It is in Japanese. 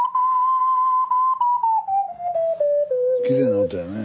きれいな音やね。